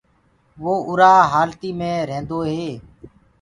وو اُرآ هآلتي مي ريهندوئي